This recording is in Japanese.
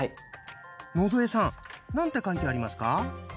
野添さん何て書いてありますか？